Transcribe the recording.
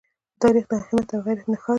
تاریخ د همت او غیرت نښان دی.